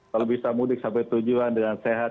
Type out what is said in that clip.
kalau bisa mudik sampai tujuan dengan sehat